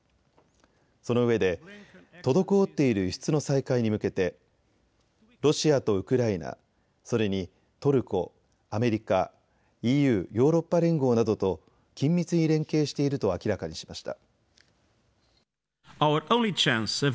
そのうえで滞っている輸出の再開に向けて、ロシアとウクライナ、それにトルコ、アメリカ、ＥＵ・ヨーロッパ連合などと緊密に連携していると明らかにしました。